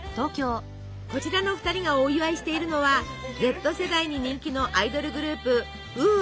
こちらの２人がお祝いしているのはＺ世代に人気のアイドルグループｗｏｏ！